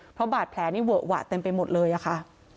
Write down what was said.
เพราะบาดแผลนี่เวอะหวะเต็มไปหมดเลยอะค่ะ